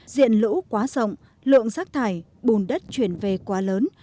diện lũ quá rộng lượng rác thải bùn đất chuyển về quá lớn